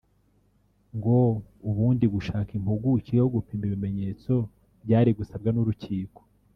ngo ubundi gushaka impuguke yo gupima ibimenyetso byari gusabwa n’urukiko